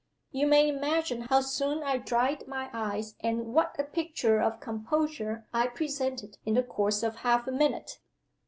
You may imagine how soon I dried my eyes, and what a picture of composure I presented in the course of half a minute.